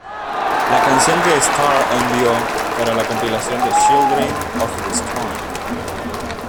La canción que Starr envió para la compilación fue "Children of the Storm".